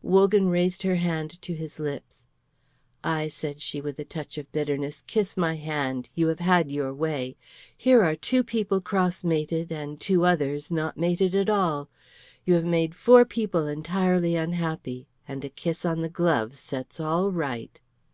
Wogan raised her hand to his lips. "Aye," said she, with a touch of bitterness, "kiss my hand. You have had your way. Here are two people crossmated, and two others not mated at all. You have made four people entirely unhappy, and a kiss on the glove sets all right."